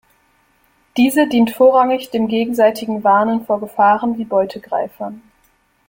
Diese dient vorrangig dem gegenseitigen Warnen vor Gefahren wie Beutegreifern.